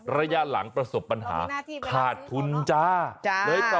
ระยะหลังประสบปัญหาขาดทุนจ้า